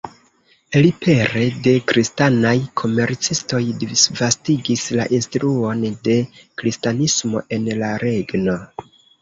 Li pere de kristanaj komercistoj disvastigis la instruon de kristanismo en la regno.